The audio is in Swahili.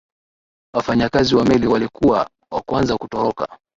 wafanyakazi wa meli walikuwa wa kwanza kutoroka